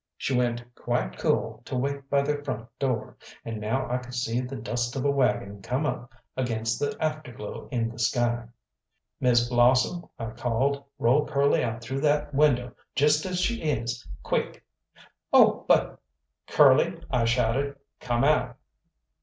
She went quite cool to wait by the front door, and now I could see the dust of a waggon come up against the afterglow in the sky. "Miss Blossom," I called, "roll Curly out through that window just as she is. Quick!" "Oh, but " "Curly," I shouted, "come out!"